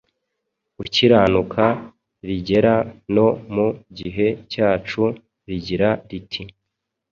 ukiranuka rigera no mu gihe cyacu rigira riti